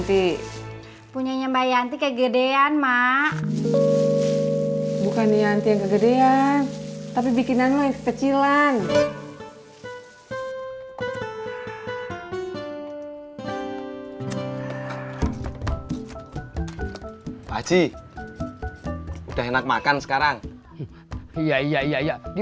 tapi kagak jadi